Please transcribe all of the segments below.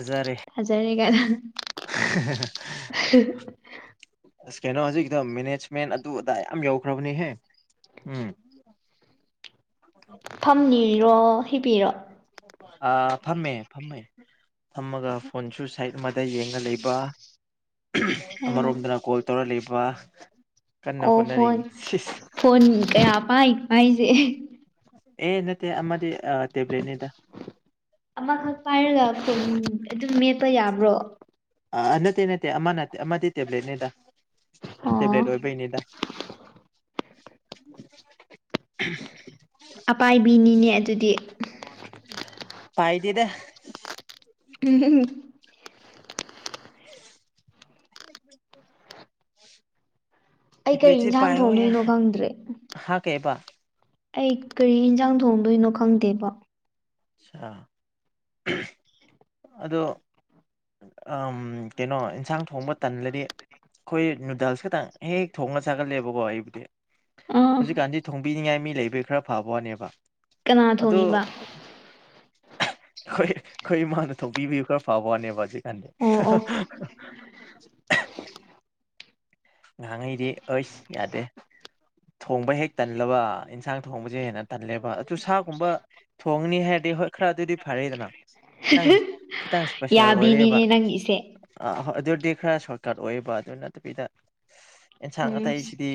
ꯍꯖꯔꯦ ꯐꯖꯔꯦ ꯀꯥꯏꯅ ꯀꯩꯅꯣ ꯍꯧꯖꯤꯛꯛꯇ ꯃꯦꯅꯦꯖꯃꯦꯟ ꯑꯗꯨ ꯑꯗꯥ ꯌꯥꯝ ꯌꯧꯈ꯭ꯔꯕꯅꯤꯍꯦ ꯎꯝ ꯐꯝꯅꯤꯔꯣ ꯍꯤꯕꯤꯔꯣ ꯑ ꯐꯝꯃꯦ ꯐꯝꯃꯦ ꯊꯝꯃꯒ ꯐꯣꯟꯁꯨ ꯁꯥꯏꯠ ꯑꯃꯗ ꯌꯦꯡꯉ ꯂꯩꯕ ꯎꯝ ꯑꯃꯔꯣꯝꯗꯅ ꯀꯣꯜ ꯇꯧꯔ ꯂꯩꯕ ꯀꯟꯅ ꯑꯣ ꯐꯣꯟꯣꯟ ꯍꯣꯠꯅꯔꯤꯅꯤ ꯁꯤꯁ ꯐꯣꯟꯣꯟ ꯀ ꯄꯥꯏ ꯄꯥꯏꯖꯦ ꯑꯦ ꯅꯠꯇ ꯑꯗꯤ ꯇꯦꯕ꯭ꯂꯠ ꯅꯗ ꯑꯃꯈꯛ ꯄꯥꯏꯔꯒ ꯄꯨꯝ ꯑꯗꯨꯝ ꯃꯦꯠꯄ ꯌꯥꯕ꯭ꯔꯣ ꯑ ꯅꯠꯇꯦ ꯅꯠꯇꯦ ꯑꯃ ꯅ ꯑꯃꯗꯤ ꯇꯦꯕ꯭ꯂꯦꯠꯅꯤꯗ ꯑꯣ ꯇꯦꯕ꯭ꯂꯦꯠ ꯑꯣꯏꯕꯩꯅꯤꯗ [inaudible] ꯑꯄꯥꯏꯕꯤꯅꯤꯅꯦ ꯑꯗꯨꯗꯤ ꯄꯥꯏꯗꯗ ꯎꯝ [unintelligible] ꯑꯩ ꯀꯔꯤ ꯊꯄꯂꯤ ꯏꯟꯁꯥꯡ ꯄꯥꯏꯣ ꯊꯣꯡꯗꯣꯏꯅꯣ ꯈꯪꯗ꯭ꯔꯦ ꯍꯥ ꯀꯩꯕ ꯑꯩ ꯀꯔꯤ ꯌꯦꯟꯁꯥꯡ ꯊꯣꯡꯗꯣꯏꯅꯣ ꯈꯪꯗꯦꯕ ꯑꯆꯥ ꯑꯗꯣ ꯀꯩꯅꯣ ꯑꯦꯟꯁꯥꯡ ꯊꯣꯡꯕ ꯇꯜꯂꯗꯤ ꯑꯩꯈꯣꯏ ꯅꯨꯗꯜꯁ ꯈꯇꯪ ꯍꯦꯛ ꯊꯣꯡꯅ ꯆꯒꯠꯂꯦꯕꯀꯣ ꯑꯩꯕꯨꯗꯤ ꯑꯥ ꯍꯧꯖꯤꯛꯀꯥꯟꯁꯤ ꯊꯣꯡꯕꯤꯅꯤꯡꯉꯥꯏ ꯃꯤ ꯂꯩꯕꯒꯤ ꯈꯔ ꯐꯕ ꯋꯥꯅꯦꯕ ꯀꯅꯥ ꯊꯣꯡꯉꯤꯕ ꯑꯩꯣꯏ ꯑꯩꯣꯏ ꯃꯥꯅ ꯊꯣꯛꯄꯤꯕꯤꯌꯨ ꯈꯔ ꯐꯥꯕꯅꯦꯕꯖꯤ ꯀꯅꯤꯗꯤ ꯑꯣ ꯑꯣ ꯉꯍꯥꯡꯉꯩꯗꯤ ꯑꯩꯁ ꯌꯥꯗꯦ ꯊꯣꯡꯕ ꯍꯦꯛ ꯇꯜꯂꯕ ꯏꯟꯁꯥꯡ ꯊꯣꯡꯕꯁꯦ ꯍꯦꯟꯅ ꯇꯜꯂꯦꯕ ꯑꯗꯨ ꯁꯥꯒꯨꯝꯕ ꯊꯣꯡꯅꯤ ꯍꯥꯏ ꯍ ꯈꯔ ꯑꯗꯨꯗꯤ ꯐꯔꯦꯗꯅ ꯈꯤꯇꯪ ꯈꯤꯇꯪ ꯏꯁꯄꯦꯁꯦꯜ ꯑꯣꯏꯔꯦꯕ ꯌꯥꯕꯤꯅꯤꯅꯦ ꯅꯪꯒꯤꯁꯦ ꯑ ꯍꫭ ꯑꯗꯨ ꯗꯤ ꯈꯔ ꯁꯣꯔꯠꯀꯠ ꯑꯣꯏꯌꯦꯕ ꯑꯗꯨ ꯅꯠꯇꯕꯤꯗ ꯑꯦꯟꯁꯥꯡ ꯎꯝ ꯑꯇꯩꯁꯤꯗꯤ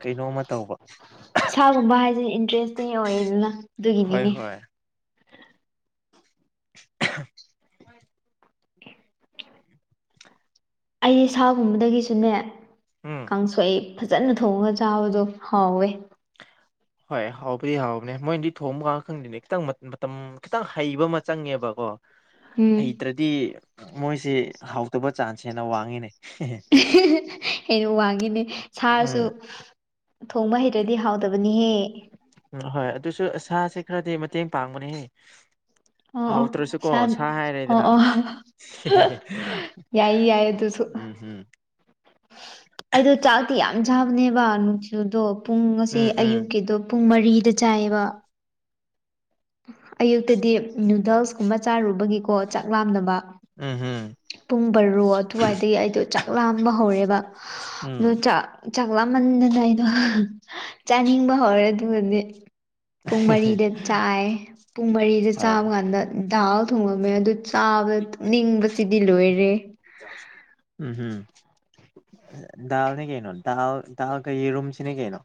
ꯀꯩꯅꯣꯃ ꯇꯧꯕ ꯁꯥꯒꯨꯝꯕ ꯍꯥꯏꯖꯤꯅ ꯏꯟꯇꯔꯦꯁꯇꯤ ꯑꯣꯏꯌꯦꯗꯅ ꯍꯣꯏ ꯑꯗꯨꯒꯤꯅꯤꯅꯦ ꯍꯣꯏ [unintelligible] ꯑꯩ ꯁꯥꯒꯨꯝꯕꯗꯒꯤꯁꯨꯅꯦ ꯎꯝ ꯀꯥꯡꯁꯣꯏ ꯐꯖꯅ ꯊꯣꯡꯉꯒ ꯆꯥꯕꯗꯣ ꯍꯥꯎꯋꯦ ꯍꯣꯏ ꯍꯥꯎꯕꯗꯤ ꯍꯥꯎꯕꯅꯦ ꯃꯣꯏꯗꯤ ꯊꯣꯡꯕ ꯀꯟ ꯈꯪꯗꫭꯅꯦ ꯈꯤꯇꯪ ꯃꯇꯝ ꯈꯤꯇꯪ ꯍꯩꯕ ꯑꯃ ꯆꯪꯉꯦꯕꯀꯣ ꯎꯝ ꯍꯩꯇ꯭ꯔꯗꯤ ꯃꯣꯏꯁꯦ ꯍꯥꯎꯇꯕ ꯆꯥꯟꯁ ꯍꯦꯟꯅ ꯋꯥꯡꯉꯤꯅꯦ ꯍ‌ꯦꯟꯅ ꯋꯥꯡꯉꯤꯅꯦ ꯁꯥꯁꯨ ꯎꯝ ꯊꯣꯡꯕ ꯍꯩꯇ꯭ꯔꯗꯤ ꯍꯥꯎꯇꯕꯅꯤꯍꯦ ꯍꯣꯏ ꯑꯗꯨꯁꯨ ꯁꯥꯁꯦ ꯈꯔꯗꯤ ꯃꯇꯦꯡ ꯄꯥꯡꯕꯅꯤ ꯍ‌ꯦ ꯑꯣ ꯑꯣ ꯍꯥꯎꯇ꯭ꯔꯁꯨꯀꯣ ꯁꯥ ꯑꯣ ꯍꯥꯏꯔꯦꯗꯅ ꯑꯣ ꯎꯝ ꯍꯝ ꯑꯗꯨ ꯆꯥꯛꯇꯤ ꯌꯥꯝ ꯆꯥꯕꯅꯦꯕ ꯅꯨꯡꯊꯤꯗꯣ ꯄꯨꯡ ꯑꯁꯦ ꯎꯝ ꯎꯝ ꯑꯌꯨꯛꯀꯤꯗꯣ ꯄꯨꯡ ꯃꯔꯤꯗ ꯆꯥꯏꯌꯦꯕ ꯑꯌꯨꯛꯇꯗꯤ ꯅꯨꯗꯜꯁꯀꯨꯝꯕ ꯆꯥꯔꯨꯕꯒꯤꯀꯣ ꯆꯥꯛ ꯂꯥꯝꯅꯕ ꯎꯝ ꯍꯝ ꯄꯨꯡ ꯕꯔꯣ ꯑꯗꯨꯋꯥꯏꯗꯒꯤ ꯑꯩꯗꯣ ꯆꯥꯛ ꯂꯥꯝꯕ ꯍꯧꯔꯦꯕ ꯎꯝ ꯑꯗꯣ ꯆꯥꯛ ꯆꯥꯛꯂꯥꯃꯟꯗꯅ ꯑꯩꯗꯣ ꯆꯥꯅꯤꯡꯕ ꯍꯧꯔ‌ꯦ ꯑꯗꯨꯒꯗꯤ ꯄꯨꯡ ꯃꯔꯤꯗ ꯆꯥꯏ ꯄꯨꯡ ꯃꯔꯤꯗ ꯍꯣꯏ ꯆꯥꯕ ꯀꯥꯟꯗ ꯗꯥꯜ ꯊꯣꯡꯉꯝꯃ‌ꯦ ꯑꯗꯨ ꯆꯥꯕꯗ ꯇꯨꯝꯅꯤꯡꯕ ꯎꯝ ꯍꯝ ꯗꯥꯜꯅꯤ ꯀꯩꯅꯣ ꯗꯥꯜ ꯗꯜꯀ ꯌ‌ꯦꯔꯨꯝꯁꯤꯅꯤ ꯀꯩꯅꯣ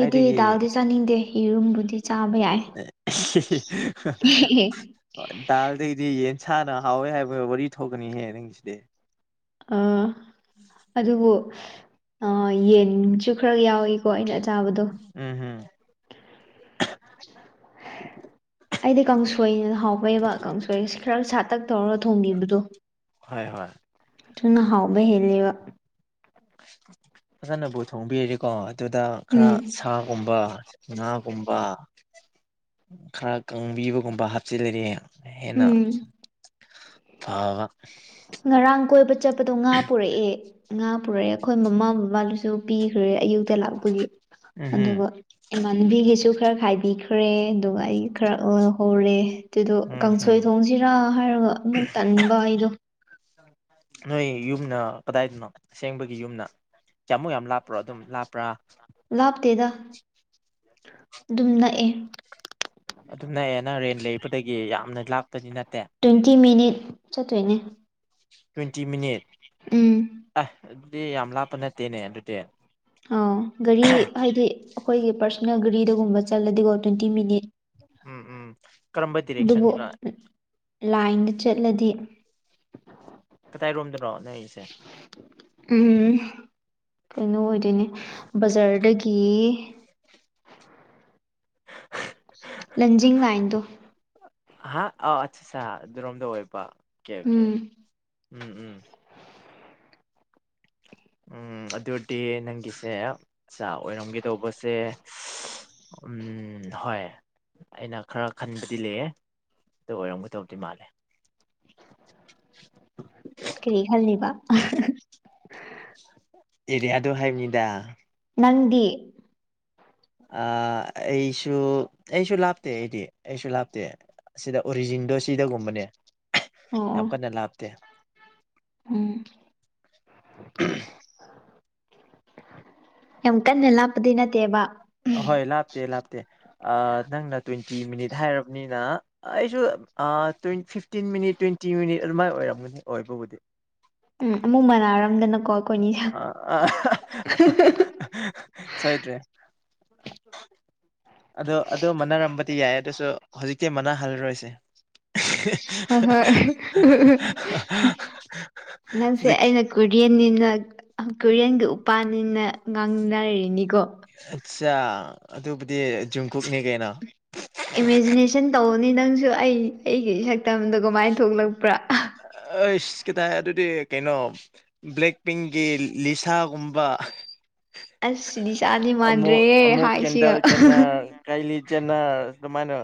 ꯑꯩꯗꯤ ꯗꯥꯜꯗꯤ ꯆꯥꯅꯤꯡꯗꯦ ꯌꯦꯔꯨꯝꯕꯨꯗꯤ ꯆꯥꯕ ꯌꯥꯏ ꯗꯜ ꯗꯩꯗꯤ ꯌ‍ꯦꯟ ꯁꯥꯅ ꯍꯥꯎꯋꯦ ꯍꯥꯏꯕꯩ ꯋꯥꯔꯤ ꯊꯣꯛꯒꯅꯤꯍꯦ ꯅꯪꯒꯤꯁꯤꯗꯤ ꯑ ꯑꯗꯨꯕꯨ ꯑ ꯌꯦꯟꯁꯨ ꯈꯔ ꯌꯥꯎꯏꯀꯣ ꯑꯩꯅ ꯑꯗꯨ ꯎꯝ ꯍꯝ ꯑꯩꯗꯤ ꯀꯥꯡꯁꯣꯏꯅ ꯍꯥꯎꯕꯩꯕ ꯀꯥꯡꯁꯣꯏꯁꯤ ꯈꯔ ꯁꯥꯇꯛ ꯇꯧꯔꯒ ꯊꯣꯡꯕꯤꯕꯗꯣ ꯍꯣꯏ ꯍꯣꯏ ꯊꯨꯅ ꯍꯥꯎꯕ ꯍ‌ꯦꯜꯂꯦꯕ ꯐꯖꯅꯕꯨ ꯊꯣꯡꯕꯤꯔꯗꯤꯀꯣ ꯑꯗꯨꯗ ꯈꯔ ꯎꯝ ꯁꯥꯒꯨꯝꯕ ꯉꯥꯒꯨꯝꯕ ꯈꯔ ꯀꯪꯕꯤꯕꯒꯨꯝꯕ ꯍꯥꯞꯆꯤꯜ ꯂꯗꯤ ꯍ‌ꯦꯟꯅ ꯎꯝ ꯐꯕ ꯉꯔꯥꯡ ꯀꯣꯏꯕ ꯆꯠꯄꯗꯣ ꯉꯥ ꯄꯨꯔꯛꯑꯦ ꯉꯥ ꯄꯨꯔꯛꯑꯦ ꯑꯩꯈꯣꯏ ꯃꯃꯥ ꯕꯕꯥ ꯒꯥꯁꯨ ꯁꯨ ꯄꯤꯈ꯭ꯔꯦ ꯑꯌꯨꯛꯇ ꯂꯥꯛꯄꯒꯤ ꯎꯝꯍꯨꯝ ꯑꯗꯨꯒ ꯏꯃꯥꯟꯅꯕꯤꯒꯤꯁꯨ ꯈꯔ ꯈꯥꯏꯕꯤ ꯈ꯭ꯔꯦ ꯑꯗꯨꯒ ꯑꯩ ꯈꯔ ꯑꫭꯏꯍꯧꯔꯦ ꯑꯗꯨꯗꯣ ꯎꯝ ꯍꯨꯝ ꯀꯥꯡꯁꯣꯏ ꯊꯣꯡꯁꯤꯔꯥ ꯍꯥꯏꯔꯒ ꯑꯃꯨꯛ ꯇꯟꯕ ꯑꯩꯗꯣ ꯅꯣꯏ ꯌꯨꯝꯅ ꯀꯗꯥꯏꯗꯅꯣ ꯑꯁꯦꯡꯕꯒꯤ ꯌꯨꯝꯅ ꯀꯌꯥꯃꯨꯛ ꯌꯥꯝ ꯂꯥꯞ ꯄꫪꫭ ꯑꯗꯨꯝ ꯂꯥꯞꯄ꯭ꯔꯥ ꯂꯥꯞꯇꯦꯗ ꯑꯗꯨꯝ ꯅꯛꯑꯦ ꯑꯗꯨꯝ ꯅꯛꯑꯌꯦ ꯅꯪ ꯔꯦꯟ ꯂꯩꯕꯗꯒꯤ ꯌꯥꯝꯅ ꯂꯞ ꯇ꯭ꯋꯦꯟꯇꯤ ꯃꯤꯅꯤꯠ ꯆꯠꯇꯣꯏꯅꯦ ꯇ꯭ꯋꯦꯟꯇꯤ ꯃꯤꯅꯤꯠ ꯎꯝ ꯑꯦ ꯑꯗꯨꯗꯤ ꯌꯥꯝ ꯂꯥꯞꯄ ꯅꯠꯇꯦꯅꯦ ꯑꯗꯨꯗꯤ ꯑ ꯒꯥꯔꯤ ꯍꯥꯏꯗꯤ ꯑꯩꯈꯣꯏꯒꯤ ꯄꯥꯔꯁꯣꯅꯦꯜ ꯒꯥꯔꯤꯗꯒꯨꯝꯕ ꯆꯠꯂꯗꯤꯀꯣ ꯇ꯭ꯋꯦꯟꯇꯤ ꯃꯤꯅꯤꯠ ꯎꯝ ꯎꯝ ꯀꯔꯝꯕ ꯑꯗꯨꯕꯨ ꯗꯤꯔꯦꯛꯁꯟꯅꯣ ꯂꯥꯏꯟꯗ ꯆꯠꯂꯗꯤ ꯀ ꯇꯏ ꯔꯣꯝꯗ ꯎꯝ ꯀꯩꯅꯣ ꯑꯣꯏꯗꯣꯏꯅꯦ ꯕꯖꯥꯔꯗꯒꯤ ꯂꯟꯖꯤꯡ ꯂꯥꯏꯟꯗꯣ ꯍꯥ ꯑꯥꯎ ꯑꯠ ꯑꯠꯆꯥ ꯑꯗꯨꯔꯣꯝꯗ ꯑꯣꯏꯕ ꯑꯣꯀꯦ ꯑꯣꯀꯦ ꯎꯝ ꯎꯝ ꯎꯝ ꯎꯝ ꯑꯗꯨꯗꯤ ꯅꯪꯒꯤꯁꯦ ꯆꯥꯛ ꯑꯣꯏꯔꯝꯒꯦ ꯇꯧꯕꯁꯦ ꯎꯝ ꯍꯣꯏ ꯑꯩꯅ ꯈꯔ ꯈꯟꯕꯗꯤ ꯂꯩꯌꯦꯦ ꯑꯗꯨ ꯑꯣꯏꯔꯝꯒ ꯇꯧꯗꯤ ꯃꯥꯜꯂꯦ ꯀꯔꯤ ꯈꯜꯅꯤꯕ ꯑꯦꯔꯤꯌꯥꯗꯣ ꯍꯥꯏꯕꯅꯤꯗ ꯅꯪꯗꯤ ꯑ ꯑꯩꯁꯨ ꯑꯩꯁꯨ ꯂꯥꯞꯇꯦ ꯑꯩꯗꯤ ꯑꯩꯁꯨ ꯂꯥꯞꯇꯦ ꯑꯁꯤꯗ ꯑꯣꯔꯤꯖꯤꯟꯗꯣ ꯁꯤꯗꯒꯨꯝꯕꯅꯦ ꯑꯣ ꯑꯣ ꯌꯥꯝ ꯀꯟꯅ ꯂꯥꯞꯇꯦ ꯎꯝ ꯌꯥꯝ ꯀꯟꯅꯂ ꯄꯗꯤꯅ ꯇꯕ ꯍꯣꯏ ꯂꯥꯞꯇꯤ ꯂꯥꯞꯇꯤ ꯅꯛꯅ ꯗꯣꯢ ꯃꯤꯅꯤꯠ ꯍꯥꯏꯔꯕꯅꯤꯅ ꯑꯩꯁꯨ꯭ ꯐꯤꯐꯇꯤꯟ ꯃꯤꯅꯤꯠ ꯇ꯭ꯋꯦꯟꯇꯤ ꯃꯤꯅꯤꯠ ꯑꯗꯨꯃꯥꯏꯅ ꯑꯣꯏꯔꯝꯅꯤ ꯑꯣꯏꯕꯕꯨꯗꯤ ꯎꯝ ꯃꯅꯔ ꯑ ꯑ ꯁꯣꯏꯗ꯭ꯔꯤ ꯑꯣ ꯑꯗꯨ ꯃꯅꯔꯝꯕꯗꯤ ꯌꯥꯏ ꯑꯗꯨꯁꯨ ꯍꯧꯖꯤꯛꯇꯤ ꯃꯥꯟꯅꯍꯜꯂꯔꯣꯏꯁ [inaudible] ꯍ ꯍꯣꯏ ꯅꯪꯁꯦ ꯍꯧꯖꯤꯛ ꯑꯩꯅ ꯀꯨꯔꯤꯌꯟꯅꯤꯅ ꯀꯣꯔꯤꯌꯟꯒꯤ ꯎꯄꯥꯅꯤꯅ ꯉꯥꯡꯅꯔꯤꯅꯤꯀꯣ ꯑꯆꯥ ꯑꯗꯨꯕꯨꯗꯤ ꯖꯨꯝꯀꯨꯨꯞꯅꯤ ꯀꯩꯅꯣ ꯏꯃꯦꯖꯤꯅꯦꯁꯟ ꯇꯧꯕꯅꯤ ꯅꯪꯁꯨ ꯑꯩ ꯑꯩꯒꯤ ꯁꯛꯇꯝꯗꯣ ꯀꯃꯥꯏꯅ ꯊꯣꯛꯂꯛꯄ ꯑꯩꯁ ꯀꯇ ꯍꯥꯏ ꯑꯗꯨꯗꯤ ꯀꯩꯅꯣ ꯕ꯭ꯂꯦꯛ ꯄꯤꯡꯀꯤ ꯂꯤꯁꯥꯒꯨꯝꯕ ꯑꯁ ꯁꯤꯗꯤ ꯆꯥꯗꯤ ꯑꯃꯨ ꯃꯥꯟꯗ꯭ꯔꯦꯍꯦ ꯑꯃꯨꯛ ꯀꯗ ꯍꯥꯏꯁꯤꯒ ꯆꯦꯅ ꯀꯥꯏ ꯆꯦꯟꯅꯔ ꯑꯗꯨꯃꯥꯏꯅ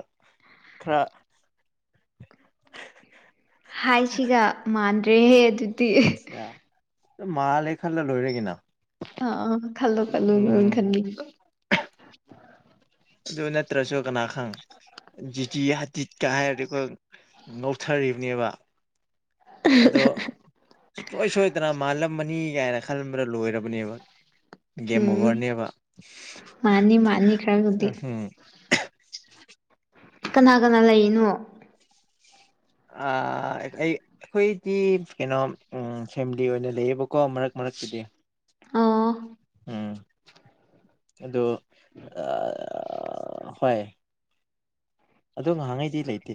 ꯈꯔ ꯍꯥꯏꯁꯤꯒ ꯃꯥꯟꯗ꯭ꯔꯦꯍꯦ ꯑꯗꯨꯗꯤ ꯑꯠꯆꯥ ꯃꯥꯜꯂꯦ ꯈꯜꯂ ꯂꯣꯏꯔꯦꯒꯤꯅ ꯑꯥ ꯈꯜꯂꯣ ꯄꯜꯂꯣ ꯂ ꯎꯝ ꯈꯟꯅꯤ ꯑꯗꯨꯖꯅꯦꯠꯇ꯭ꯔꯁꯣ ꯀꯅꯥ ꯈꯪ ꯖꯤꯇꯤ ꯍꯥꯖꯤꯠꯀ ꯍꯥꯏꯔꯗꯤ ꯑꯩꯈꯣꯏ ꯅꯧꯊꯔꯤꯕꯅꯦꯕ ꯑꯗꯣ ꯁꯨꯡꯁꯣꯏ ꯁꯣꯏꯗꯅ ꯃꯥꯜꯂꯝꯃꯅꯤ ꯀꯥꯏꯅ ꯈꯟꯕ꯭ꯔꯥ ꯂꯣꯏꯔꯕꯅꯦꯕ ꯒꯦꯝ ꯎꯝ ꯑꯣꯚꯔꯅꯦꯕ [inaudible] ꯃꯥꯅꯤ ꯃꯥꯅꯤ ꯈꯔꯕꯨꯗꯤ ꯀꯅꯥ ꯀꯅꯥ ꯂꯩꯅꯣ ꯑꯩ ꯑꯩꯈꯣꯏꯗꯤ ꯀꯩꯅꯣ ꯐꯦꯃꯤꯂꯤ ꯑꯣꯏꯅ ꯂꯩꯌꯦꯕꯀꯣ ꯃꯔꯛ ꯍꯛꯇꯗꯤ ꯑꯥ ꯎꯝ ꯑꯣ ꯍꯣꯏ ꯑꯗꯣ ꯉꯥꯏꯍꯥꯛꯉꯩꯗꯤ ꯂꯩꯇꯦ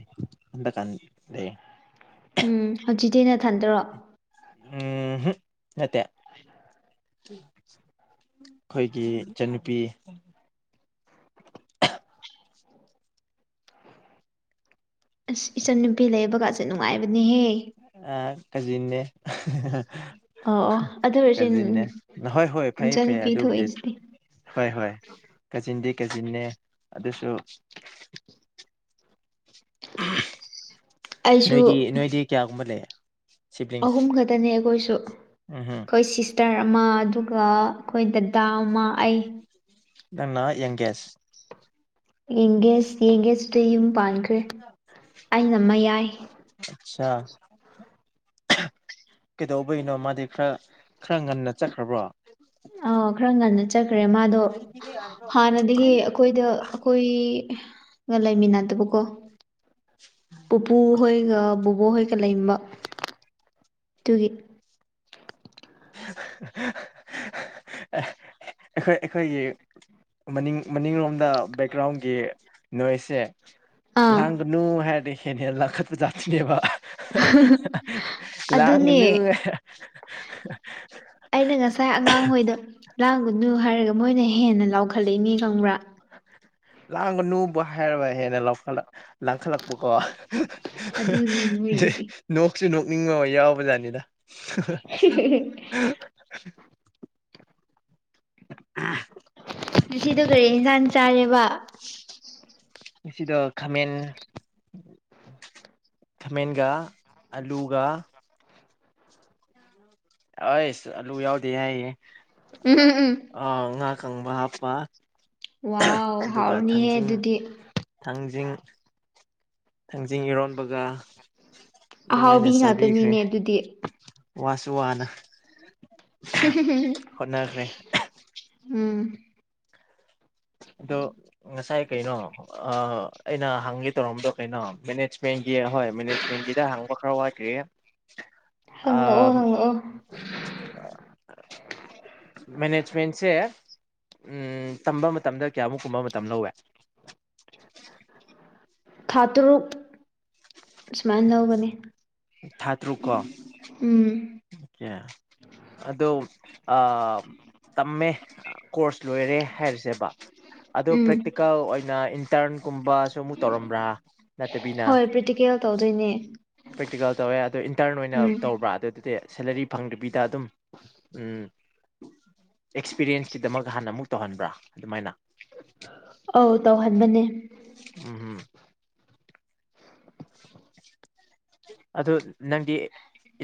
ꯍꯟꯗꯛꯀꯥꯟ ꯂꯩꯦ ꯎꯝ ꯍꯧꯖꯤꯛꯇꯤ ꯅ ꯊꯟꯗꯔꯣ ꯎꯝ ꯅꯠꯇ ꯑꯩꯈꯣꯏꯒꯤ ꯏꯆꯟꯅꯨꯄꯤ [inaudible] ꯑꯁ ꯏꯆꯟ ꯅꯨꯄꯤ ꯂꯩꯕꯒꯁꯦ ꯅꯨꯡꯉꯥꯏꯕꯅꯦꯍꯦ ꯀꯖꯤꯅꯦ ꯑꯣ ꯑꯣ ꯑꯗꯨ ꯑꯣꯏꯔꯁꯨ ꯀꯖꯤꯅꯦ ꯍꯣꯏ ꯍꯣꯏ ꯐꯩ ꯐꯩ ꯏꯆꯟꯅꯨꯄꯤ ꯑꯗꯨꯕꯨꯗꯤ ꯊꯣꯛꯏꯁꯤꯗꯤ ꯍꯣꯏ ꯍꯣꯏ ꯀꯥꯖꯤꯟꯗꯤ ꯀꯥꯖꯤꯟꯅꯦ ꯑꯗꯨꯁꯨ ꯑꯩꯁꯨ ꯅꯣꯏꯗꯤ ꯅꯣꯏꯗꯤ ꯀꯌꯥꯒꯨꯝꯕ ꯂꯩ ꯁꯤꯕ꯭ꯂꯤꯡꯁ ꯑꯍꯨꯝ ꯈꯛꯇꯅꯦ ꯑꯩꯈꯣꯏꯁꯨ ꯎꯝꯝ ꯑꯩꯈꯣꯏ ꯁꯤꯁꯇꯔ ꯑꯃ ꯑꯗꯨꯒ ꯑꯩꯈꯣꯏꯗ ꯉꯅꯥ ꯌꯦꯡ ꯀꯦꯁ ꯌꯦꯡꯒꯦ ꯌꯦꯡꯒꯦ ꯁꯤꯇꯝ ꯄꯥꯟꯈ꯭ꯔꯦ ꯑꯩꯅ ꯑꯃ ꯌꯥꯏ ꯀꯩꯗꯧꯕꯒꯤꯅꯣ ꯃꯥꯗꯤ ꯈꯔ ꯈꯔ ꯉꯟꯅ ꯆꯠꯈ꯭ꯔꯕ꯭ꯔꯣ ꯑ ꯈꯔ ꯉꯟꯅ ꯆꯠꯈ꯭ꯔꯦ ꯃꯥꯗꯣ ꯍꯥꯟꯅꯗꯒꯤ ꯑꯩꯈꯣꯏꯗ ꯑꯩꯈꯣꯏ ꯂꯩꯃꯤꯟꯅꯗꯕꯀꯣ ꯄꯨꯄꯨ ꯍꯣꯏꯒ ꯕꯣꯕꯣꯍꯣꯏꯒ ꯂꯩꯕ ꯇꯒꯤ [inaudible] [unintelligible] ꯑꯩꯈꯣꯏ ꯑꯩꯈꯣꯏꯒꯤ ꯃꯅꯤꯡ ꯃꯅꯤꯡꯂꯣꯝꯗ ꯕꯦꯛꯒ꯭ꯔꯥꯎꯟꯒꯤ ꯅꯣꯏꯁꯁꯦ ꯑꯥ ꯂꯒꯅꯨ ꯍꯥꯏꯔ ꯍꯦꯅꯦ ꯂ ꯀ ꯆꯥꯠꯅꯦꯕ ꯑꯗꯨꯅꯦ ꯂꯥꯡꯒꯅ ꯑꯩꯅ ꯉꯁꯥꯏ ꯑꯉꯥꯡꯍꯣꯏꯗ ꯂꯥꯡꯒꯅꯨ ꯍꯥꯏꯔꯒ ꯃꯣꯏꯅ ꯍꯦꯟꯅ ꯂꯥꯎꯈꯠꯂꯛꯏꯅꯦ ꯈꯪꯕ꯭ꯔꯥ ꯂꯥꯡꯒꯅꯨꯕ ꯍꯥꯏꯔꯕ ꯍꯦꯟꯅꯠꯂ ꯂꯥꯡꯈꯠꯂꯛꯄꯀꯣ ꯑꯗꯨꯅꯤ ꯃꯣꯏꯔꯤꯁꯦ ꯅꯣꯛꯁꯨ ꯅꯣꯛ ꯅꯤꯡꯉ ꯌꯥꯎꯕꯖꯥꯠꯅꯤꯗ [inaudible] [unintelligible] ꯉꯁꯤꯗ ꯀꯔꯤ ꯏꯟꯁꯥꯡ ꯆꯥꯔꯦꯕ ꯑꯁꯤꯗ ꯈꯥꯃꯦꯟ ꯈꯥꯃꯦꯟꯒ ꯑꯂꯨꯒ ꯑꯩꯁ ꯑꯂꯨ ꯌꯥꯎꯗꯦ ꯍꯥꯏꯌꯦ ꯎꯝ ꯎꯝ ꯎꯝ ꯑꯥ ꯉꯥ ꯀꯪꯕ ꯍꯥꯞꯄ ꯋꯥꯎ ꯑꯗꯨꯒ ꯍꯥꯎꯔꯅꯤꯍꯦ ꯊꯥꯡꯖꯤꯡ ꯑꯗꯨꯗꯤ ꯊꯥꯡꯖꯤꯡ ꯊꯥꯡꯖꯤꯡ ꯏꯔꯣꯟꯕꯒ ꯑꯗꯨꯃꯥꯏꯅ ꯑꯍꯥꯎꯕꯤ ꯉꯥꯛꯇꯅꯤꯅꯦ ꯑꯗꯨꯗꯤ ꯋꯥꯁꯨꯋꯥꯅ ꯍ ꯎꯝ ꯑꯗꯣ ꯉꯁꯥꯏ ꯀꯩꯅꯣ ꯑꯩꯅ ꯍꯪꯒꯦ ꯇꯧꯔꯝꯕꯗꯣ ꯀꯩꯅꯣ ꯃꯦꯅꯦꯖꯃꯦꯟꯒꯤ ꯏ ꯍꯣꯏ ꯃꯦꯅꯦꯖꯃꯦꯟꯒꯤꯗ ꯍꯥꯡꯕ ꯈꯔ ꯋꯥꯠꯈ꯭ꯔꯦ ꯍꯪꯂꯛꯑꯣ ꯍꯪꯛꯑꯣ ꯃꯦꯅꯦꯖꯃꯦꯟꯁꯦ ꯎꯝ ꯇꯝꯕ ꯃꯇꯝꯗ ꯀꯌꯥꯃꯨꯛ ꯀꯨꯝꯕ ꯃꯇꯝ ꯂꯧꯋꯦ ꯊꯥ ꯇꯔꯨꯛ ꯁꯨꯃꯥꯏꯅ ꯂꯧꯒꯅꯤ ꯊꯥ ꯇꯔꯨꯛ ꯀꯣ ꯎꯝ ꯑꯣꯀꯦ ꯑꯗꯣ ꯇꯝꯃꯦ ꯀꯣꯔꯁ ꯂꯣꯏꯔꯦ ꯍꯥꯏꯔꯤꯁꯦꯕ ꯑꯗꯨꯗ ꯎꯝ ꯄ꯭ꯔꯦꯛꯇꯤꯀꯦꯜ ꯑꯣꯏꯅ ꯏꯟꯇꯔꯟꯒꯨꯝꯕꯁꯨ ꯑꯃꯨꯛ ꯇꯧꯔꯝꯕ꯭ꯔꯥ ꯅꯠꯇꯕꯤꯅ ꯀꯌꯥ ꯇꯧꯗꯣꯏꯅꯦ ꯄ꯭ꯔꯦꯛꯇꯤꯀꯦꯜ ꯇꯧꯋꯦ ꯑꯗꯣ ꯏꯟꯇꯔꯟ ꯑꯣꯏꯅ ꯎꯝ ꯇꯧꯕ꯭ꯔꯥ ꯑꯗꯨ ꯑꯗꯨꯗꯤ ꯁꯦꯂꯔꯤ ꯐꯪꯗ꯭ꯕꯤꯗ ꯑꯗꯨꯝ ꯎꯝ ꯑꯦꯛꯁꯄꯤꯔꯤꯌꯦꯟꯁꯀꯤꯗꯃꯛ ꯍꯥꯟꯅ ꯑꯃꯨꯛ ꯇꯧꯍꯟꯕ꯭ꯔꯥ ꯑꯗꯨꯃꯥꯏꯅ ꯑꯧ ꯇꯧꯍꯟꯕꯅꯦ ꯎꯝꯝ [inaudible] [unintelligible] ꯑꯗꯨ ꯅꯪꯗꯤ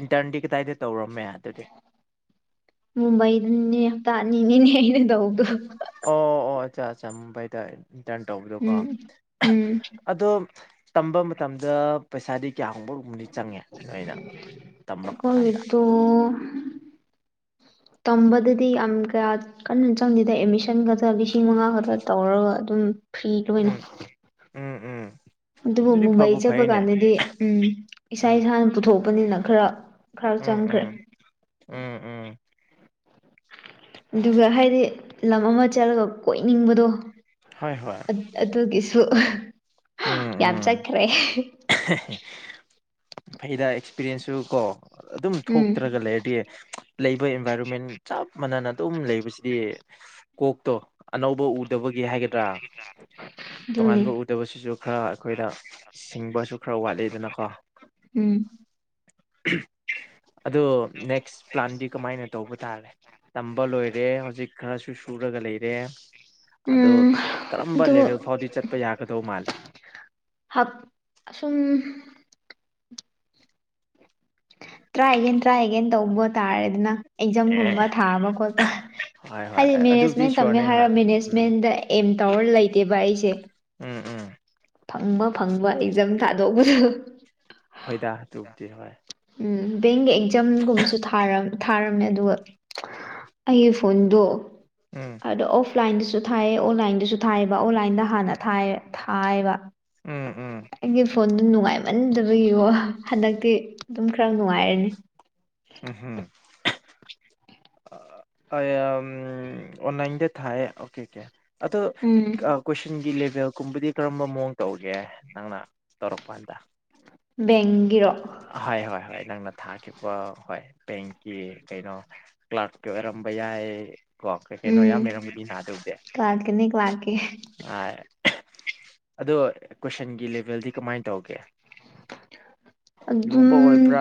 ꯏꯟꯇꯔꯟꯗꯤ ꯀꯗꯥꯏꯗ ꯇꯧꯔꯝꯃꯦ ꯑꯗꯨꯗꯤ ꯃꯨꯝꯕꯩꯗꯨꯅꯤꯅꯦ ꯍꯞꯇꯥꯅꯤꯅꯤꯅꯦ ꯑꯩꯅ ꯇꯧꯕꯗꯣ ꯆ ꯆꯃꯝꯕ ꯍꯥꯏꯗ ꯏꯟꯇꯔꯟ ꯇꯧꯕꯗꯣꯀꯣ ꯎꯝ ꯎꯝ ꯑꯗꯣ ꯇꯝꯕ ꯃꯇꯝꯗ ꯄꯩꯁꯥꯗꯤ ꯀꯌꯥꯒꯨꯝꯕ ꯔꯨꯝꯝꯗꯤ ꯆꯪꯉꯦ ꯅꯣꯏꯅ ꯇꯝꯂꯛꯄ ꯀꯥꯟꯗ ꯑꯩꯈꯣꯏꯒꯤꯗꯣ [inaudible] ꯇꯝꯕꯗꯗꯤ ꯌꯥꯝ ꯀꯌꯥ ꯀꯟꯅ ꯆꯪꯗꯦꯗ ꯑꯦꯠꯃꯤꯁꯟ ꯈꯛꯇ ꯂꯤꯁꯤꯡ ꯃꯉꯥ ꯈꯛꯇ ꯇꯧꯔꯒ ꯑꯗꯨꯝ ꯐ꯭ꯔꯤ ꯂ ꯑꯣꯏꯅ ꯎꯝ ꯎꯝ ꯎꯝ ꯑꯗꯨꯕꯨ ꯑꯗꯨꯗꯤ ꯐꯕꯨ ꯃꯨꯝꯕꯩ ꯆꯠꯄ ꯐꯩꯅꯦ ꯀꯥꯟꯗꯗꯤ ꯎꯝ ꯏꯁꯥ ꯎꯝ ꯏꯁꯥꯅ ꯄꯨꯊꯣꯛꯄꯅꯤꯅ ꯈꯔ ꯈꯔ ꯎꯝ ꯆꯪꯈ꯭ꯔꯦ ꯎꯝ ꯎꯝ ꯎꯝ ꯑꯗꯨꯒ ꯍꯥꯏꯗꯤ ꯂꯝ ꯑꯃ ꯆꯠꯂꯒ ꯀꯣꯏꯅꯤꯡꯕꯗꯣ ꯍꯣꯏ ꯍꯣꯏ ꯑꯗꯨꯒꯤꯁꯨ ꯎꯝ ꯌꯥꯝ ꯎꯝ ꯆꯠꯈ꯭ꯔꯦ ꯐꯩꯗ ꯑꯦꯛꯁꯄꯤꯔꯤꯌꯦꯟꯁꯁꯨ ꯀꯣ ꯑꯗꯨꯝ ꯎꯝ ꯊꯣꯛꯇ꯭ꯔꯒ ꯂꯩꯔꯗꯤ ꯂꯩꯕ ꯏꯟꯚꯥꯏꯔꯣꯟꯃꯦꯟ ꯆꯞ ꯃꯥꯟꯅꯅ ꯑꯗꯨꯝ ꯂꯩꯕꯁꯤꯗꯤ ꯀꯣꯛꯇꯣ ꯑꯅꯧꯕ ꯎꯗꯕꯒꯤ ꯍꯥꯏꯒꯗ꯭ꯔꯥ ꯑꯗꯨꯅꯤ ꯇꯣꯉꯥꯟꯕ ꯎꯗꯕꯁꯤꯁꯨ ꯈꯔ ꯑꯩꯈꯣꯏꯗ ꯁꯤꯡꯕ ꯈꯔ ꯋꯥꯠꯂꯤꯗꯅꯀꯣ ꯎꯝ ꯑꯗꯣ ꯅꯦꯛꯁ ꯄ꯭ꯂꯥꯟꯗꯤ ꯀꯃꯥꯏꯅ ꯇꯧꯕ ꯇꯥꯔꯦ ꯇꯝꯕ ꯂꯣꯏꯔꯦ ꯍꯧꯖꯤꯛ ꯈꯔꯁꯨ ꯁꯨꯔꯒ ꯂꯩꯔꯦ ꯑꯗꯣ ꯎꯝ ꯀꯔꯝꯕ ꯑꯗꯨ ꯂꯦꯚꯦꯜ ꯐꯥꯎꯗꯤ ꯆꯠꯄ ꯌꯥꯒꯗꯧ ꯃꯥꯜꯂꯦ ꯍꯥꯞ ꯑ ꯁꯨꯝ ꯇꯔꯥꯒꯦꯟ ꯇ꯭ꯔꯥ ꯍꯒꯦꯟ ꯇꯧꯕ ꯇꯥꯔꯦꯗꯅ ꯑꯦ ꯑꯦꯛꯖꯥꯝꯒꯨꯝꯕ ꯊꯥꯕ ꯈꯣꯠꯄ ꯍꯣꯏ ꯍꯣꯏ ꯍꯥꯏꯗꯤ ꯑꯗꯨꯕꯨꯗꯤ ꯃꯦꯅꯦꯖꯃꯦꯟ ꯇꯝꯃꯦ ꯁꯤꯌꯣꯔꯅꯦ ꯍꯥꯏꯔ ꯍꯣꯏ ꯎꯝ ꯃꯦꯅꯦꯖꯃꯦꯟꯗ ꯑꯦꯝ ꯇꯧꯔ ꯂꯩꯇꯦꯕ ꯑꯩꯁꯦ ꯎꯝ ꯎꯝ ꯐꯪꯕ ꯐꯪꯕ ꯑꯦꯖꯝ ꯊꯥꯗꯣꯛꯧꯕꯗ ꯍꯣꯏꯗꯥ ꯑꯗꯨꯕꯨꯗꯤ ꯍꯣꯏ ꯎ ꯕꯦꯡꯒꯤ ꯑꯦꯛꯖꯥꯝꯒꯨꯝꯕꯁꯨ ꯊꯥꯔ ꯊꯥꯔꯝꯃꯦ ꯑꯗꯨꯒ ꯑꯩꯒꯤ ꯐꯣꯟꯗꯣ ꯎꯝ ꯑꯗꯣ ꯑꯣꯐꯂꯥꯏꯟꯗ ꯊꯥꯏꯑ ꯑꯣꯟꯂꯥꯏꯟꯗꯁꯨ ꯊꯥꯏꯑꯕ ꯑꯣꯟꯂꯥꯏꯟꯗ ꯍꯥꯟꯅ ꯊꯥꯏꯕ ꯎꯝ ꯎꯝ ꯑꯩꯒꯤ ꯐꯣꯟꯗꯨ ꯅꯨꯡꯉꯥꯏꯃꯟꯗꯕ ꯌꯦꯉꯣ ꯍꯟꯗꯛꯇꯤ ꯑꯗꯨꯝ ꯈꯔ ꯅꯨꯡꯉꯥꯏꯔꯅꯤ ꯎꯝ ꯍꯝ ꯝ ꯑꯣꯟꯅꯥꯥꯏꯟꯗ ꯊꯥꯏ ꯑꯣꯀꯦ ꯑꯣꯀꯦ ꯑꯗꯣ ꯎꯝ ꯀꯣꯏꯁꯟꯒꯤ ꯇꯕꯦꯜ ꯀꯨꯝꯕꯗꯤ ꯀꯔꯝꯕ ꯃꯑꯣꯡ ꯇꯧꯒꯦ ꯅꯪꯅ ꯇꯧꯔꯛꯄꯥꯟꯗ ꯕ ꯍ ꯍꯣꯏ ꯍꯣꯏ ꯅꯪꯅ ꯊꯥꯈꯤꯕ ꯍꯣꯏ ꯕꯦꯡꯀꯤ ꯀꯩꯅꯣ ꯀ꯭ꯂꯥꯛꯀꯤ ꯑꯣꯏꯔꯝꯕ ꯌꯥꯏ ꯀꯣ ꯀꯩ ꯀꯩꯅꯣ ꯎꯝ ꯌꯥꯝ ꯂꯩꯔꯝꯒꯗꯤ ꯅꯥ ꯇꯧꯗꯦ ꯀ꯭ꯂꯥꯛꯀꯤꯅꯤ ꯀ꯭ꯂꯥꯛꯀꯤ ꯑ ꯑꯗꯣ ꯀꯣꯏꯁꯟꯒꯤ ꯂꯦꯚꯦꯜꯗꯤ ꯀꯃꯥꯏꯅ ꯇꯧꯒꯦ ꯑꯗꯨ ꯂꯨꯕ ꯑꯣꯏꯕ꯭ꯔꯥ ꯑꯗꯨꯝ